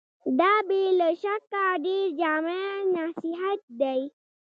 دا بې له شکه ډېر جامع نصيحت دی.